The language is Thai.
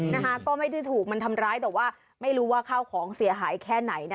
นะคะก็ไม่ได้ถูกมันทำร้ายแต่ว่าไม่รู้ว่าข้าวของเสียหายแค่ไหนนะ